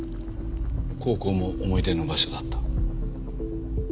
高校も思い出の場所だった？